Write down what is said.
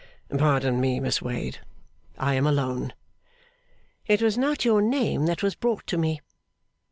'Pardon me, Miss Wade. I am alone.' 'It was not your name that was brought to me.